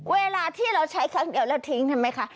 เวลาที่เราใช้ครั้งเดียวแล้วทิ้งใช่ไหมคะ